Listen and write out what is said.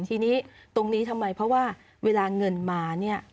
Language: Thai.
ทีนี้ตรงนี้ทำไมเพราะว่าเวลาเงินมาเนี่ย